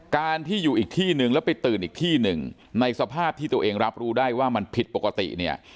การที่อยู่อีกที่นึงแล้วไปตื่นอีกที่หนึ่งในสภาพที่ตัวเองรับรู้ได้ว่ามันผิดปกติเนี่ย